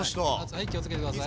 はい気をつけて下さい。